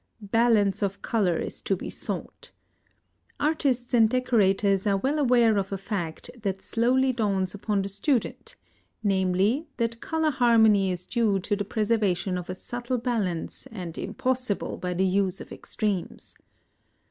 Balance of Color is to be sought. Artists and decorators are well aware of a fact that slowly dawns upon the student; namely, that color harmony is due to the preservation of a subtle balance and impossible by the use of extremes.